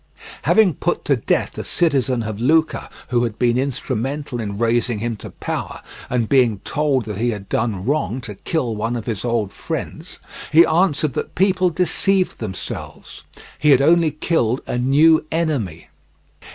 Having put to death a citizen of Lucca who had been instrumental in raising him to power, and being told that he had done wrong to kill one of his old friends, he answered that people deceived themselves; he had only killed a new enemy.